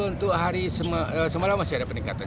untuk hari semalam masih ada peningkatan